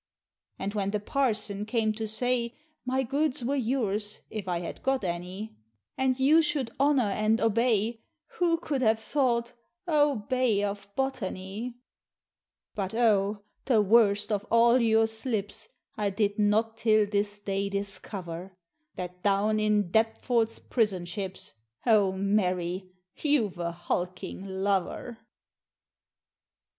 And when the parson came to say, My goods were yours, if I had got any, And you should honor and obey, Who could have thought "O Bay of Botany!" But oh! the worst of all your slips I did not till this day discover That down in Deptford's prison ships, O Mary! you've a hulking lover!